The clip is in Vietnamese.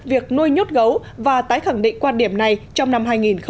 việc nuôi nhốt gấu và tái khẳng định quan điểm này trong năm hai nghìn một mươi bảy